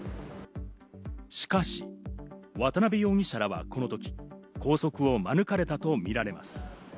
しかし渡辺容疑者はこのとき拘束を免れたとみられます。